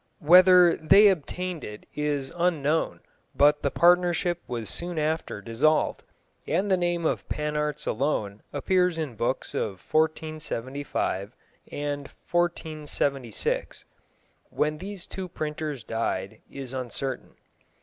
Whether they obtained it is unknown, but the partnership was soon after dissolved, and the name of Pannartz alone appears in books of 1475 and 1476. When these two printers died is uncertain.